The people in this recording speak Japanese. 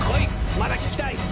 まだ聴きたい。